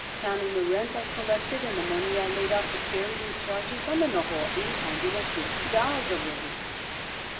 Counting the rent I collected and the money I laid out for carrying charges, I'm in the hole eight hundred and fifty dollars already."